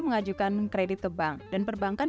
mengajukan kredit ke bank dan perbankan